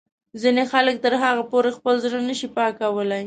ځینې خلک تر هغو پورې خپل زړه نه شي پیدا کولای.